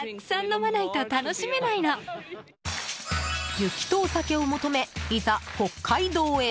雪とお酒を求めいざ、北海道へ！